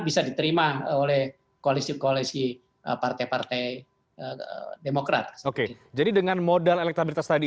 bisa diterima oleh koalisi koalisi partai partai demokrat oke jadi dengan modal elektabilitas tadi